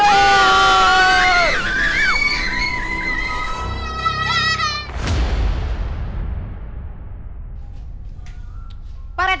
hai pak rt